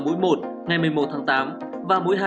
mũi một ngày một mươi một tháng tám và mũi hà